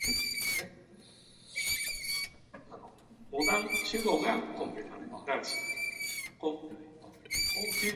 The opening of Eastern Europe has only exacerbated the problem of transit traffic.